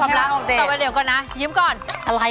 นำไว้ก่อนนำมานี่